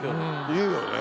言うよね。